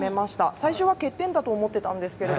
最初は欠点だと思っていたんですけど